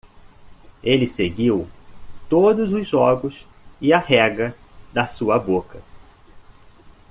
Ele seguiu todos os jogos e a rega da sua boca.